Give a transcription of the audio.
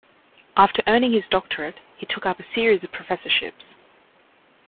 After earning his doctorate, he took up a series of professorships.